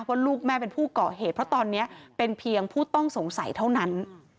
ว่าลูกแม่เป็นผู้ก่อเหตุเพราะตอนนี้เป็นเพียงผู้ต้องสงสัยเท่านั้น